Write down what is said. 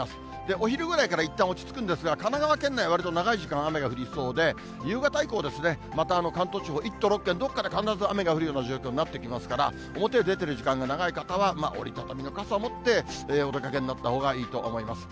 お昼ぐらいからいったん落ち着くんですが、神奈川県内、わりと長い時間雨が降りそうで、夕方以降、また関東地方、１都６県どこかで必ず雨が降るような状況になってきますから、表へ出てる時間が長い方は折り畳みの傘を持ってお出かけになったほうがいいと思います。